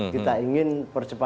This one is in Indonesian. kita ingin percepatan